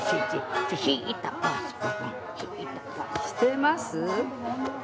してます！